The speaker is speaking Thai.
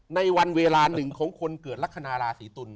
ในวันเวลาหนึ่งของคนเกิดลักษณะราศีตุล